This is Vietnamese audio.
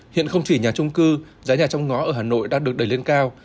hiện không chỉ nhà trung cư giá nhà trong ngõ ở hà nội đang được đẩy lên cao